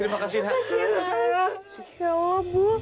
ya allah bu